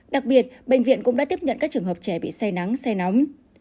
đặc biệt bệnh viện cũng đã tiếp nhận các trường hợp trẻ bị say nắng say nóng